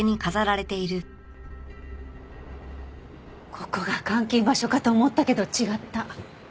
ここが監禁場所かと思ったけど違った。